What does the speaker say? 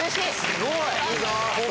すごい！